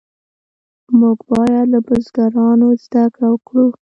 موږ باید له بزرګانو زده کړه وکړو.